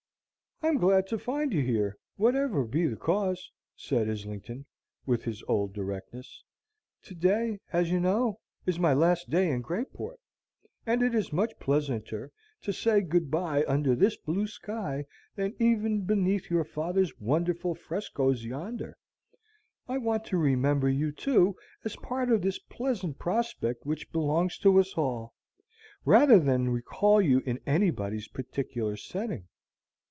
"I'm glad to find you here, whatever be the cause," said Islington, with his old directness. "To day, as you know, is my last day in Greyport, and it is much pleasanter to say good by under this blue sky than even beneath your father's wonderful frescos yonder. I want to remember you, too, as part of this pleasant prospect which belongs to us all, rather than recall you in anybody's particular setting."